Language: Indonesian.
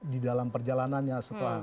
di dalam perjalanannya setelah